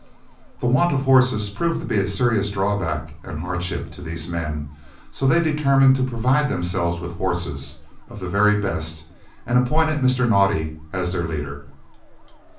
The want of horses proved to be a serious drawback and hardship to these men, so they determined to provide themselves with horses, of the very best, and appointed Mr. Naudé as their leader.